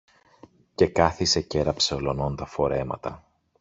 και καθησε κι έραψε ολονών τα φορέματα.